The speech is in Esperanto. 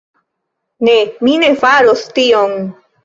Ne, mi ne faros tion.